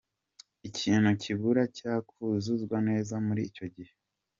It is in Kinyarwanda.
Ikintu kibura cyakuzuzwa neza muri icyo gihe.